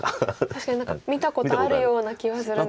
確かに何か見たことあるような気がするんですが。